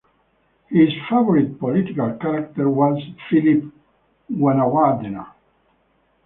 His favorite political character was Philip Gunawardena.